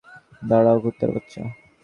দাড়া, কুত্তার বাচ্চা!